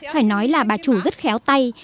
phải nói là bà chủ rất khéo tay